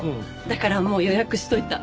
だからもう予約しといた。